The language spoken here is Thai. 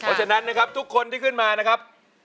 เพราะฉะนั้นนะครับทุกคนที่ขึ้นมานะครับ